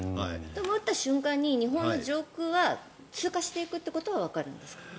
撃った瞬間に日本の上空は通過していくってことはわかるんですか？